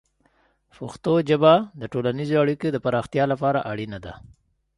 پښتو ژبه د ټولنیزو اړیکو د پراختیا لپاره اړینه ده.